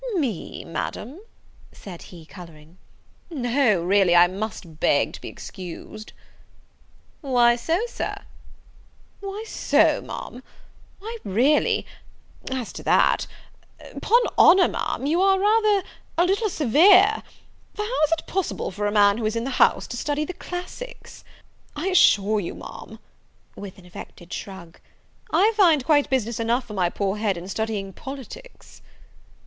"Me, Madam!" said he, colouring; "no, really I must beg to be excused." "Why so, Sir?" "Why so, Ma'am! Why, really as to that, 'pon honour, Ma'am, you are rather a little severe; for how is it possible for a man who is in the house, to study the classics? I assure you, Ma'am, (with an affected shrug) I find quite business enough for my poor head in studying politics."